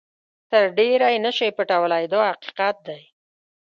تر ډېره یې نه شئ پټولای دا حقیقت دی.